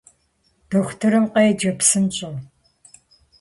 Дохутырым къеджэ псынщӏэу!